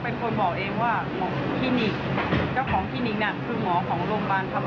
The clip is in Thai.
น้องบอกว่าแน่นหัวใจแน่นมากเลย